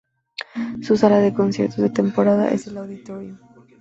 Su sala de conciertos de temporada es el Auditorium.